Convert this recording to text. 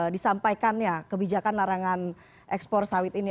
disampaikannya kebijakan larangan ekspor sawit ini